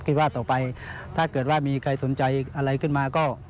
คิดว่าต่อไปถ้าเกิดว่ามีใครสนใจอะไรขึ้นมาก็